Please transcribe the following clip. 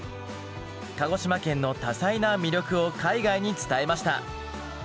鹿児島県の多彩な魅力を海外に伝えました。